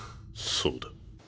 そうだ。